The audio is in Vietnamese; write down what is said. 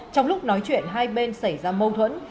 trong lúc nói chuyện hai bên xảy ra mâu thuẫn